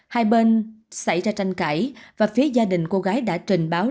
hai bên xảy ra tranh cãi và phía gia đình cô gái đã trình báo